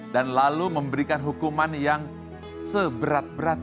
dan lalu memberikan hukuman yang seberat berat